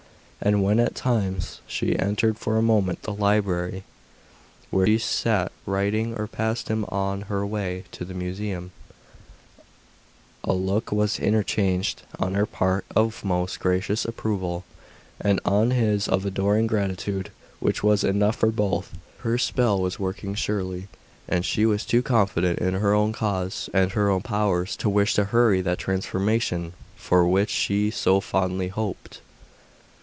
And when at times she entered for a moment the library, where he sat writing, or passed him on her way to the Museum, a look was interchanged, on her part of most gracious approval, and on his of adoring gratitude, which was enough for both. Her spell was working surely; and she was too confident in her own cause and her own powers to wish to hurry that transformation for which she so fondly hoped.